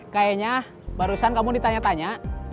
kayaknya barusan kamu ditanya tanya